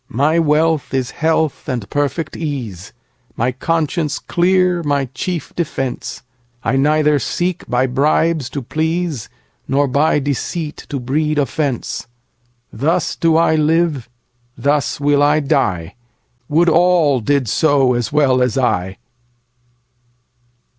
My wealth is health and perfect ease, My conscience clear my chief defence;I neither seek by bribes to please, Nor by deceit to breed offence:Thus do I live; thus will I die; Would all did so as well as I!